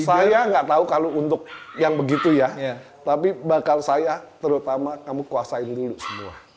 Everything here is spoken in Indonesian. saya nggak tahu kalau untuk yang begitu ya tapi bakal saya terutama kamu kuasain dulu semua